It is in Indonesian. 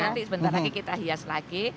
nanti sebentar lagi kita hias lagi